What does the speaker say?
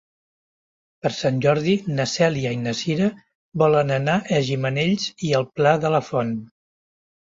Per Sant Jordi na Cèlia i na Cira volen anar a Gimenells i el Pla de la Font.